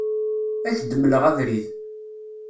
Ad ak-d-mleɣ abrid.